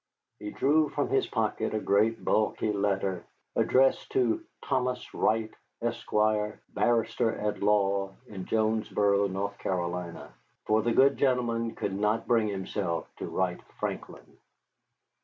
He drew from his pocket a great bulky letter, addressed to "Thomas Wright, Esquire, Barrister at law in Jonesboro, North Carolina." For the good gentleman could not bring himself to write Franklin.